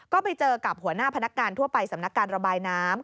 ก็ไปเจอกับหัวหน้าพนักงานทั่วไปสำนักการระบายน้ำ